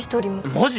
マジ！？